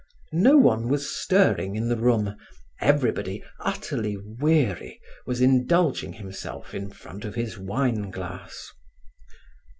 No one was stirring in the room. Everybody, utterly weary, was indulging himself in front of his wine glass.